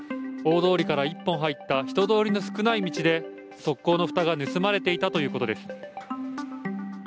大通りから一本入った人通りの少ない道で、側溝のふたが盗まれていたということです。